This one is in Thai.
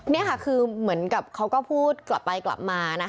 นี่ค่ะคือเหมือนกับเขาก็พูดกลับไปกลับมานะคะ